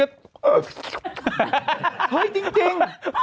เห้ยจริงจริง